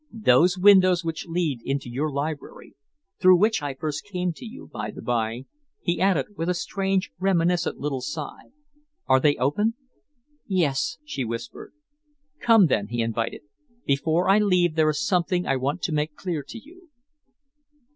Those windows which lead into your library, through which I first came to you, by the by, " he added, with a strange, reminiscent little sigh, "are they open?" "Yes!" she whispered. "Come, then," he invited. "Before I leave there is something I want to make clear to you."